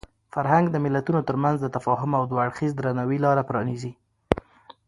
فرهنګ د ملتونو ترمنځ د تفاهم او دوه اړخیز درناوي لاره پرانیزي.